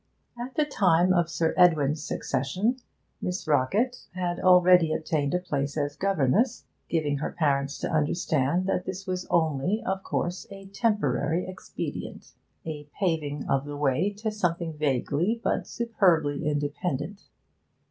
At the time of Sir Edwin's succession Miss Rockett had already obtained a place as governess, giving her parents to understand that this was only, of course, a temporary expedient a paving of the way to something vaguely, but superbly, independent.